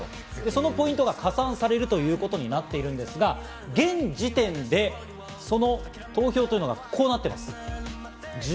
そのポイントが加算されるということになっているんですが、現時点でその投票というのがこうなっています。